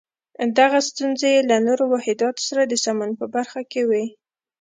دغه ستونزې یې له نورو واحداتو سره د سمون په برخه کې وې.